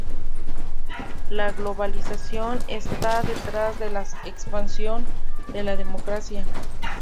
La globalización está detrás de la expansión de la democracia.